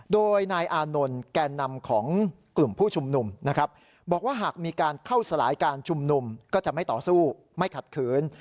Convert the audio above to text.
โดยนายอานนท์แก่นำของกลุ่มผู้ชุมนุมนะครับบอกว่าหากมีการเข้าสลายการชุมนุมก็จะไม่ต่อสู้ไม่ขัดขืน